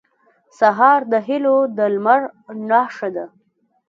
سهار د هيلو د لمر نښه ده.